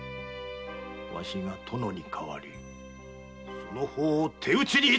わしが殿に代わりその方を手討ちに致してくれる！